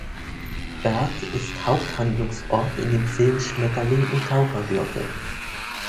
Berck ist Haupthandlungsort in dem Film Schmetterling und Taucherglocke.